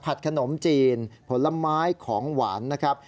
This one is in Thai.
ขนมจีนผลไม้ของหวานนะครับ